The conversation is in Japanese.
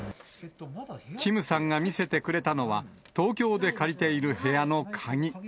キムさんが見せてくれたのは、東京で借りている部屋の鍵。